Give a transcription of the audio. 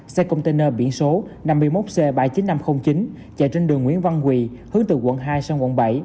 xe container biển số năm mươi một c ba mươi chín nghìn năm trăm linh chín chạy trên đường nguyễn văn quỳ hướng từ quận hai sang quận bảy